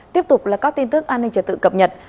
tiếp tục là các tin tức an ninh trật tự cập nhật